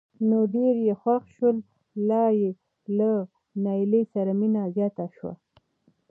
نو ډېر یې خوښ شول لا یې له نایلې سره مینه زیاته شوه.